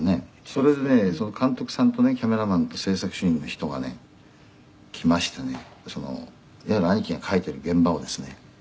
「それでねその監督さんとねキャメラマンと制作主任の人がね来ましてねいわゆる兄貴が書いてる現場をですね